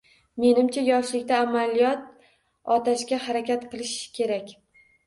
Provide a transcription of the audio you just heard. Menimcha, yoshlikda amaliyot oʻtashga harakat qilish kerak.